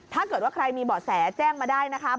ถ้าเกิดว่าใครมีเบาะแสแจ้งมาได้นะคะ